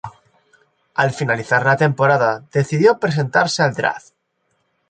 Al finalizar la temporada, decidió presentarse al draft.